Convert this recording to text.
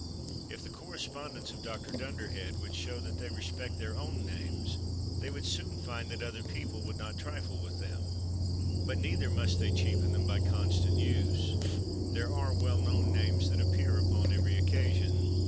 If the correspondents of Dr. Dunderhead would show that they respected their own names, they would soon find that other people would not trifle with them. But neither must they cheapen them by constant use. There are well known names that appear upon every occasion.